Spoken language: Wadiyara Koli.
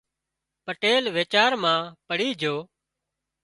پٽيل ويچار مان پڙي جھو